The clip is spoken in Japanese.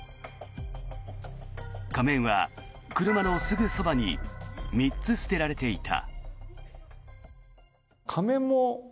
仮面は車のすぐそばに３つ捨てられていた。